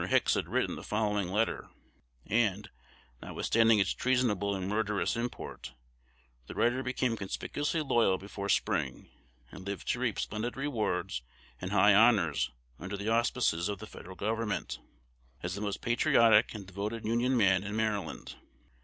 Hicks had written the following letter; and, notwithstanding its treasonable and murderous import, the writer became conspicuously loyal before spring, and lived to reap splendid rewards and high honors under the auspices of the Federal Government, as the most patriotic and devoted Union man in Maryland.